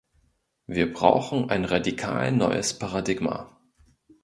Wir brauchen ein radikal neues Paradigma.